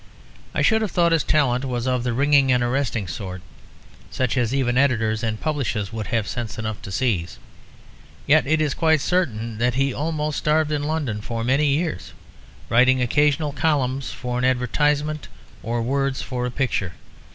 I should have thought his talent was of the ringing and arresting sort; such as even editors and publishers would have sense enough to seize. Yet it is quite certain that he almost starved in London for many years, writing occasional columns for an advertisement or words for a picture.